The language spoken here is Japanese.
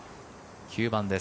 ９番です。